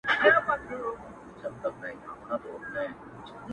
داسي يوه چا لكه سره زر تر ملا تړلى يم ـ